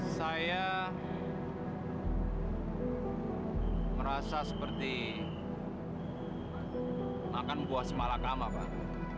saya merasa seperti makan buah semalakama pak